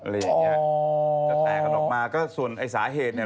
อะไรอย่างนี้แตกกันออกมาก็ส่วนสาเหตุนี่